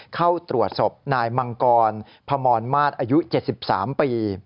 เข้าตรวจศพนายมังกรพมรมาศอายุ๗๓ปี